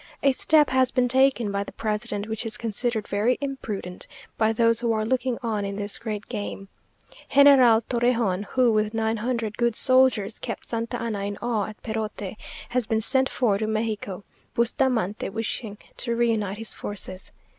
A step has been taken by the president, which is considered very imprudent by those who are looking on in this great game. General Torrejon, who with nine hundred good soldiers kept Santa Anna in awe at Perote, has been sent for to Mexico, Bustamante wishing to reunite his forces.